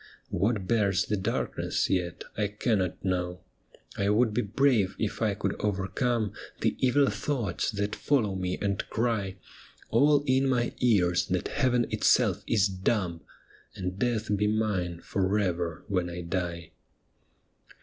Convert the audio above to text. What bears the darkness yet I cannot know ; I would be brave if I could overcome The evil thoughts that follow me and cry, All in my ears, that Heaven itself is dumb, And death be mine for ever when I die.'